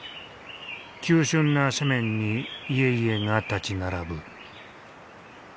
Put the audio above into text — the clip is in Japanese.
急しゅんな斜面に家々が立ち並ぶ。